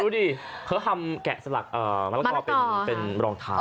ดูดิเขาทำแกะสลักมะละกอเป็นรองเท้า